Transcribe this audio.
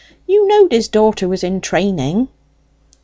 You knowed his daughter was in training?"